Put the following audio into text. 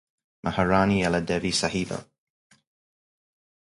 Maharani Ella Devi Sahiba.